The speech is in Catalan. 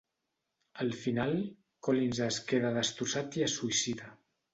Al final, Collins es queda destrossat i es suïcida.